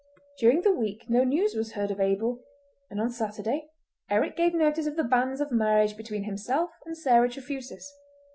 During the week no news was heard of Abel, and on Saturday Eric gave notice of the banns of marriage between himself and Sarah Trefusis.